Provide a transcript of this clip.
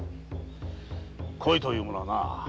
恋というものはなぁ